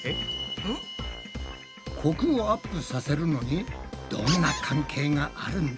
コクをアップさせるのにどんな関係があるんだ？